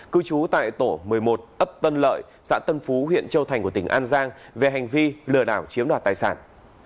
cư trú tại tổ một mươi một ấp tân lợi xã tân phú huyện châu thành của tỉnh an giang về hành vi lừa đảo chiếm đoạt tài sản